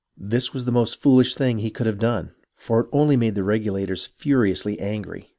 This was the most foolish thing he could have done, for it only made the Regulators furiously angry.